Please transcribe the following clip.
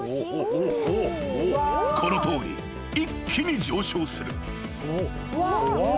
［このとおり一気に上昇する］